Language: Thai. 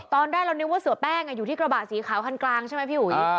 ตอนแรกเรานึกว่าเสือแป้งอยู่ที่กระบะสีขาวคันกลางใช่ไหมพี่อุ๋ย